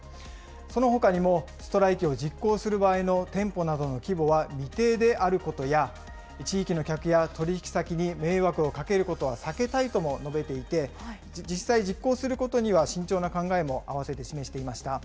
そのほかにも、ストライキを実行する場合の店舗などの規模は未定であることや、地域の客や取り引き先に迷惑をかけることは避けたいとも述べていて、実際、実行することには慎重な考えも併せて示していました。